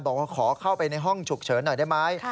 บอกว่าขอเข้าไปในห้องฉุกเฉินหน่อยได้ไหม